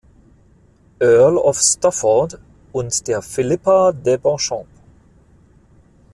Earl of Stafford, und der Philippa de Beauchamp.